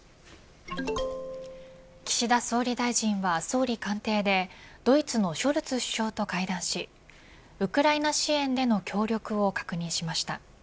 岸田総理大臣は総理官邸でドイツのショルツ首相と会談しウクライナ支援での協力を確認しました。